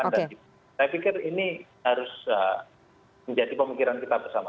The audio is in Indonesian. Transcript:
saya pikir ini harus menjadi pemikiran kita bersama